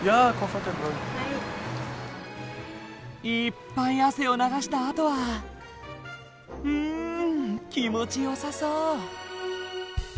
いっぱい汗を流したあとはうん気持ちよさそう。